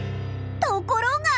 ところが！？